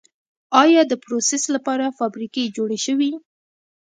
آیا دپروسس لپاره فابریکې جوړې شوي؟